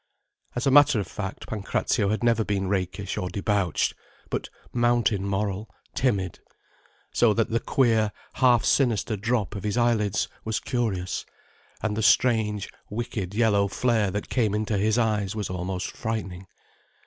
As a matter of fact Pancrazio had never been rakish or debauched, but mountain moral, timid. So that the queer, half sinister drop of his eyelids was curious, and the strange, wicked yellow flare that came into his eyes was almost frightening.